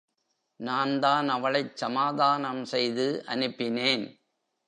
நான்தான் அவளைச் சமாதானம் செய்து அனுப்பினேன்.